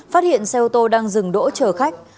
phát hiện xe ô tô đang dừng đỗ chở khách